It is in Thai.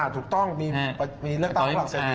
ถูกต้องมีเรื่องต่างกับฝรั่งเศรษฐี